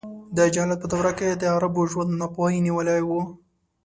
د جهالت په دوره کې د عربو ژوند ناپوهۍ نیولی و.